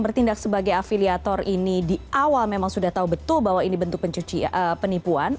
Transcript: bertindak sebagai afiliator ini di awal memang sudah tahu betul bahwa ini bentuk penipuan